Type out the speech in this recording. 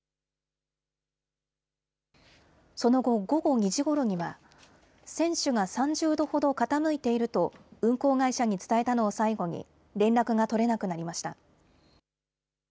その後、午後２時ごろには船首が３０度ほど傾いていると運航会社に伝えたのを最後に連絡が取れなくなりました。